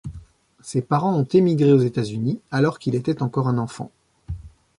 Ses parents ont émigré aux États-Unis alors qu'il était encore un enfant.